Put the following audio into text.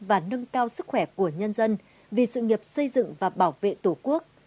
và nâng cao sức khỏe của nhân dân vì sự nghiệp xây dựng và bảo vệ tổ quốc